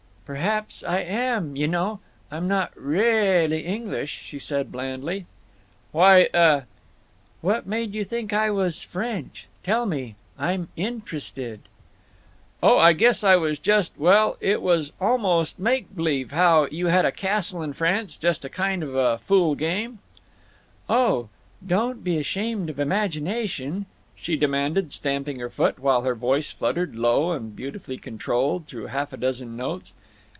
"Perhaps I am, y' know. I'm not reahlly English," she said, blandly. "Why—uh—" "What made you think I was French? Tell me; I'm interested." "Oh, I guess I was just—well, it was almost make b'lieve—how you had a castle in France—just a kind of a fool game." "Oh, don't be ashamed of imagination," she demanded, stamping her foot, while her voice fluttered, low and beautifully controlled, through half a dozen notes.